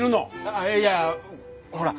あっいやほら。